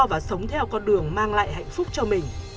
và sống theo con đường mang lại hạnh phúc cho mình